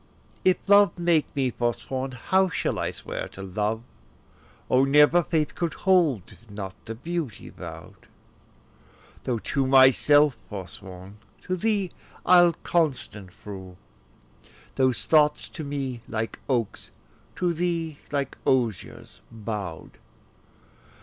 If love make me forsworn, how shall I swear to love? O never faith could hold, if not to beauty vow'd: Though to myself forsworn, to thee I'll constant prove; Those thoughts, to me like oaks, to thee like osiers bow'd.